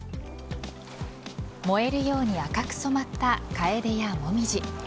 燃えるように赤く染まったカエデやモミジ。